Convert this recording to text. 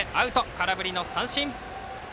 空振り三振。